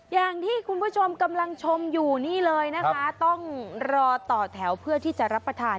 อย่างที่คุณผู้ชมกำลังชมอยู่นี่เลยนะคะต้องรอต่อแถวเพื่อที่จะรับประทาน